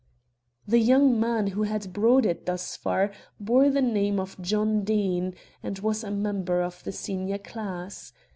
The young man who had brought it thus far bore the name of John Deane, and was a member of the senior class.